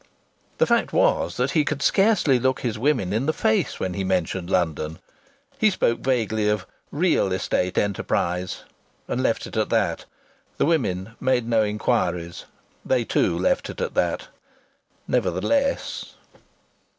The fact was that he could scarcely look his women in the face when he mentioned London. He spoke vaguely of "real estate" enterprise, and left it at that. The women made no inquiries; they too left it at that. Nevertheless